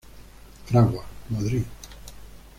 Fragua: Madrid